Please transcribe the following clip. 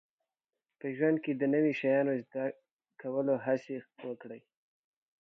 په ژوند کې د نوي شیانو زده کولو هڅې وکړئ